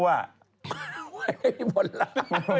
ไม่มีบนล่าง